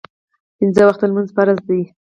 پنځه وخته لمونځ فرض ده